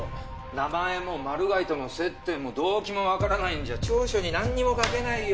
名前もマル害との接点も動機もわからないんじゃ調書になんにも書けないよ。